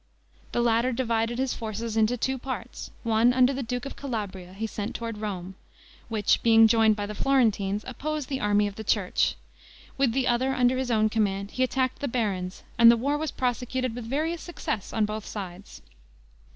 The latter divided his forces into two parts; one, under the duke of Calabria, he sent toward Rome, which, being joined by the Florentines, opposed the army of the church; with the other, under his own command, he attacked the barons, and the war was prosecuted with various success on both sides.